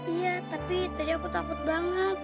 iya tapi ternyata aku takut banget